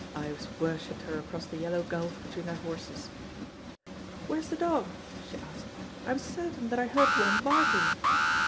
Ives worshipped her across the yellow gulf between their horses. "Where's the dog?" she asked. "I'm certain that I heard one barking."